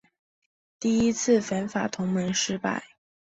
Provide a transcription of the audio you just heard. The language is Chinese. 第一次反法同盟失败。